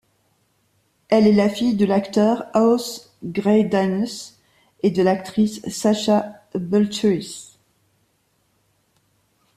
Elle est la fille de l'acteur Aus Greidanus et de l'actrice Sacha Bulthuis.